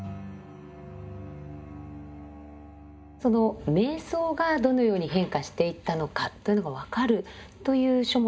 その瞑想がどのように変化していったのかというのが分かるという書物がこちらですね。